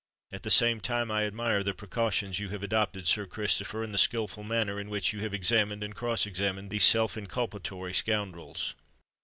"At the same time I admire the precautions you have adopted, Sir Christopher, and the skilful manner in which you have examined and cross examined these self inculpatory scoundrels."